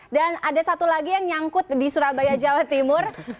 dan ada satu lagi yang nyangkut di surabaya jawa timur